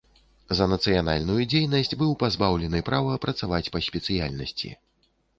За нацыянальную дзейнасць быў пазбаўлены права працаваць па спецыяльнасці.